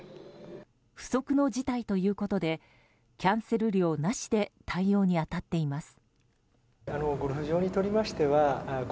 不測の事態ということでキャンセル料なしで対応に当たっています。